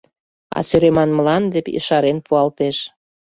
А сӧреман мланде ешарен пуалтеш.